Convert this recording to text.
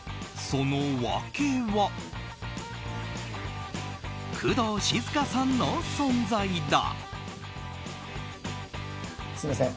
その訳は、工藤静香さんの存在だ。